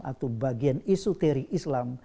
atau bagian esoterik islam